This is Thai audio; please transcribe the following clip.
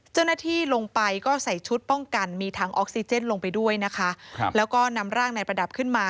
เจ้าหน้าที่ลงไปก็ใส่ชุดป้องกันมีถังออกซิเจนลงไปด้วยนะคะครับแล้วก็นำร่างนายประดับขึ้นมา